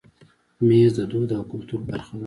مېز د دود او کلتور برخه ده.